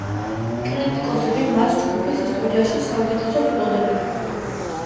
კრიტიკოსები მას ჯგუფის ისტორიაში საუკეთესოს უწოდებდნენ.